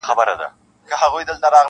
ښه دی چي جواب له خپله ځانه سره یو سمه-